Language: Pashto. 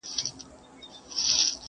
ورته ژاړه چي له حاله دي خبر سي٫